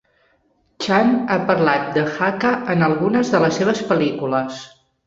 Chan ha parlat de Hakka en algunes de les seves pel·lícules.